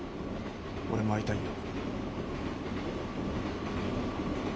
俺も会いたいよ。